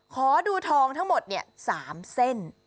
ขอดูทองทั้งหมด๓เส้น